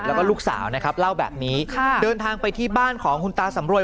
แล้วก็ลูกสาวนะครับเล่าแบบนี้ค่ะเดินทางไปที่บ้านของคุณตาสำรวย